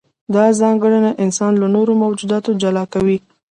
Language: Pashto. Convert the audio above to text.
دا ځانګړنه انسان له نورو موجوداتو جلا کوي.